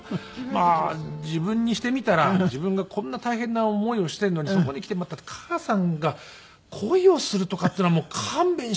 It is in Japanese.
まあ自分にしてみたら自分がこんな大変な思いをしているのにそこにきてまた母さんが恋をするとかっていうのはもう勘弁してくれよみたいな。